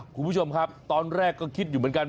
คุณผู้ชมครับตอนแรกก็คิดอยู่เหมือนกัน